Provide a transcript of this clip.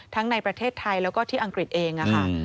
ทั้งในประเทศไทยและอังกฤษเอง